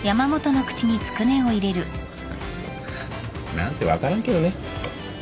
なんて分からんけどね。